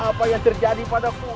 apa yang terjadi padaku